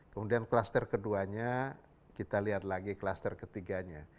kemudian kluster keduanya kita lihat lagi klaster ketiganya